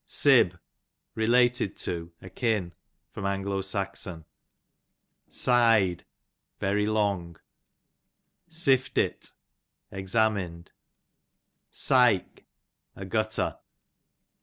Sib, related to, akin. A. S. Side, very long. Siftit, examined. Sike, a gutter.